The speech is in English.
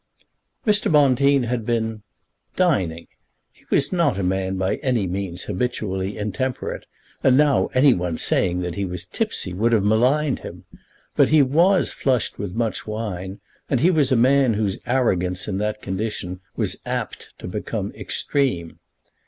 Mr. Bonteen had been dining. He was not a man by any means habitually intemperate, and now any one saying that he was tipsy would have maligned him. But he was flushed with much wine, and he was a man whose arrogance in that condition was apt to become extreme.